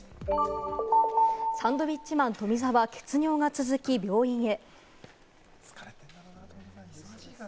サンドウィッチマン・富澤、血尿が続き病院へ。